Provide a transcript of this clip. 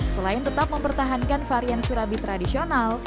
selain tetap mempertahankan varian surabi tradisional